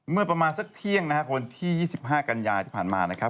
เมื่อประมาณสักเที่ยงนะครับวันที่๒๕กันยาที่ผ่านมานะครับ